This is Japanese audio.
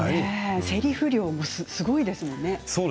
せりふの量もすごいですよね。